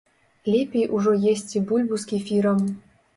Лепей ужо есці бульбу з кефірам.